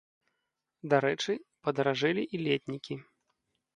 Дарэчы, падаражэлі і летнікі.